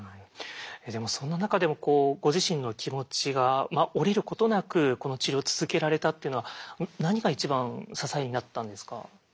でもそんな中でもこうご自身の気持ちが折れることなくこの治療を続けられたっていうのは何が一番支えになったんですか？